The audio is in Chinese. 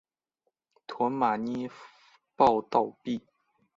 驼马捏报倒毙。